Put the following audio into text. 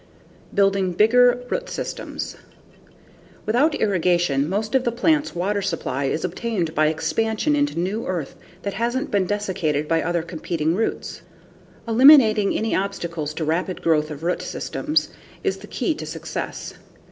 Building Bigger Root Systems Without irrigation, most of the plant's water supply is obtained by expansion into new earth that hasn't been desiccated by other competing roots. Eliminating any obstacles to rapid growth of root systems is the key to success.